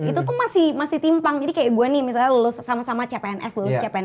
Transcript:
itu tuh masih timpang jadi kayak gue nih misalnya lulus sama sama cpns lulus cpn